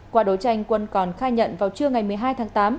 qua đấu tranh quân còn khai nhận vào trưa ngày một mươi hai tháng tám